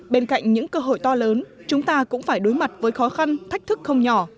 bên cạnh những cơ hội to lớn chúng ta cũng phải đối mặt với khó khăn thách thức không nhỏ